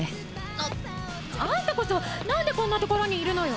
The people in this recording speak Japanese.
あ！あんたこそ何でこんなところにいるのよ！